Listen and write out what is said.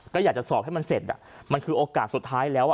ก็อยากจะสอบให้มันเสร็จมันคือโอกาสสุดท้ายแล้ว